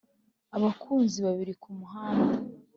abakunzi babiri kumuhanda